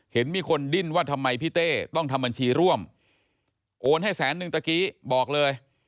เห็นมีคนดิ้นว่าทำไมพี่เต้ต้องทำบัญชีร่วมโอนให้แสนนึงตะกี้บอกเลย